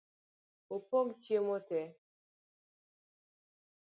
Opog chiemo tee.